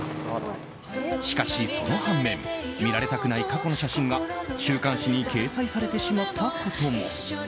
しかし、その反面見られたくない過去の写真が週刊誌に掲載されてしまったことも。